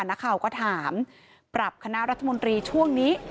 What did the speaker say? นักข่าวก็ถามปรับคณะรัฐมนตรีช่วงนี้